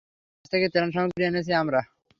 Red Cross থেকে ত্রান সামগ্রী এনেছি আমরা!